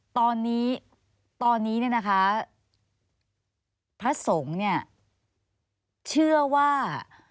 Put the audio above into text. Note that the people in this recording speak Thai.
ตอนนี้พระสงฆ์เชื่อว่า